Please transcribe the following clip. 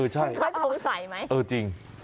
คุณค่อยสงสัยไหม